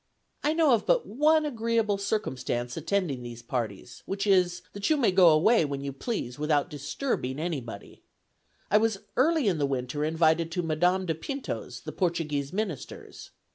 I know of but one agreeable circumstance attending these parties, which is, that you may go away when you please without disturbing anybody. I was early in the winter invited to Madame de Pinto's, the Portuguese minister's.